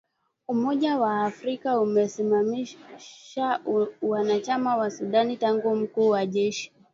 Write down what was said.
umoja wa afrika umesimamisha uanachama wa Sudan tangu mkuu wa jeshi